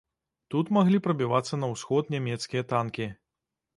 Тут маглі прабівацца на ўсход нямецкія танкі.